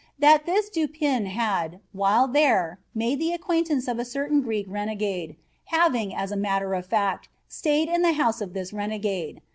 That this Du Pin had, while there, made the acquaintance of a certain Greek renegade, having, as a matter of fact, stayed in the house of this renegade.